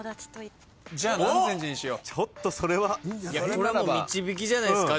これは導きじゃないですか。